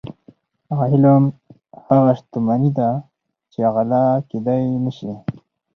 علم هغه شتمني ده چې غلا کیدی نشي.